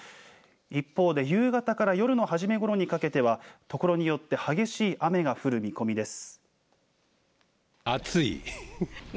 一方で夕方から夜の初めごろにかけてはところによって激しい雨が降る見込みです。